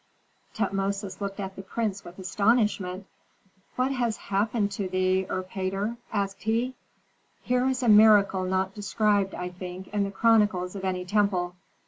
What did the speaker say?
Tutmosis looked at the prince with astonishment. "What has happened to thee, Erpatr?" asked he. "Here is a miracle not described, I think, in the chronicles of any temple.